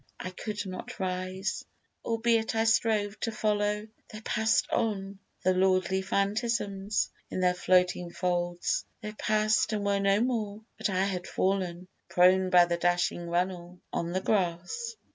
I could not rise, Albeit I strove to follow. They pass'd on, The lordly Phantasms; in their floating folds They pass'd and were no more: but I had fall'n Prone by the dashing runnel on the grass.